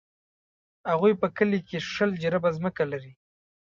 هغوی په کلي کښې شل جریبه ځمکه لري.